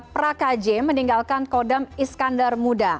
pra kj meninggalkan kodam iskandar muda